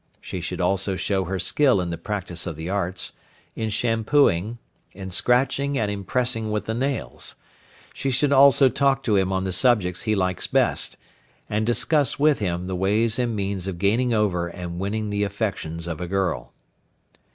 She should also show her skill in the practice of the arts, in shampooing, in scratching and in pressing with the nails. She should also talk to him on the subjects he likes best, and discuss with him the ways and means of gaining over and winning the affections of a girl.